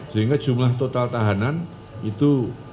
sehingga jumlah total tahanan itu